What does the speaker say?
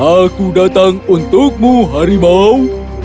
aku datang untukmu harimau